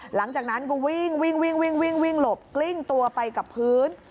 หลังจากนั้นก็วิ่งวิ่งหลบกลิ้งตัวไปกับพื้น